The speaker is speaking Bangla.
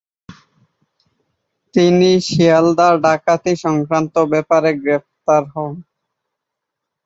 তিনি শিয়ালদা ডাকাতি সংক্রান্ত ব্যাপারে গ্রেপ্তার হন।